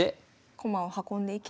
駒を運んでいけば。